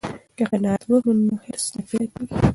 که قناعت وکړو نو حرص نه پیدا کیږي.